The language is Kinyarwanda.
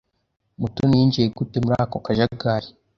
Mutoni yinjiye gute muri ako kajagari?